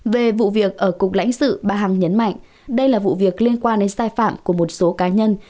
về vụ việc ở cục lãnh sự bà hằng nhấn mạnh đây là vụ việc liên quan đến sai phạm của một số cá nhân